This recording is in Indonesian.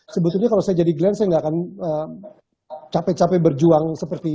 sebetulnya kalau saya jadi glenn saya gak akan capek capek berjuang